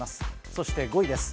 そして５位です。